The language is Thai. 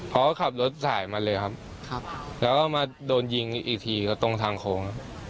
เขาก็ขับรถสายมาเลยครับแล้วก็มาโดนยิงอีกทีก็ตรงทางโค้งครับ